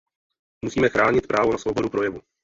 Musíme chránit právo na svobodu projevu.